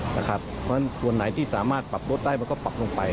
เพราะฉะนั้นส่วนไหนที่สามารถปรับลดได้มันก็ปรับลงไป